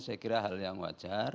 saya kira hal yang wajar